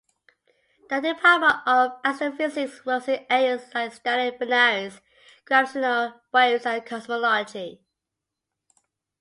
The Department of Astrophysics works in areas like stellar binaries, gravitational waves and cosmology.